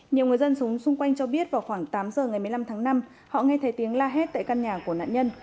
nhiều người dân sống xung quanh cho biết vào khoảng tám giờ ngày một mươi năm tháng năm họ nghe thấy tiếng la hét tại căn nhà của nạn nhân